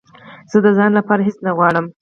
زه د ځان لپاره هېڅ نه غواړم